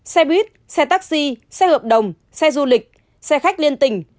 xe buýt xe taxi xe hợp đồng xe du lịch xe khách liên tỉnh